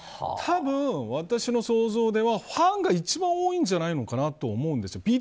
多分、私の想像ではファンが一番多いんじゃないかと思います。